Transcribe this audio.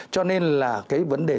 cho nên là cái vấn đề